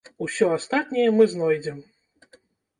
Усё астатняе мы знойдзем.